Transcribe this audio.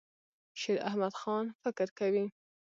شیراحمدخان فکر کوي.